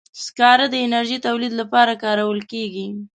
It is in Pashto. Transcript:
سکاره د انرژي تولید لپاره کارول کېږي.